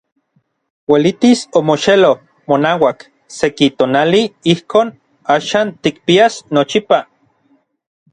Uelitis omoxeloj monauak seki tonali ijkon axan tikpias nochipa.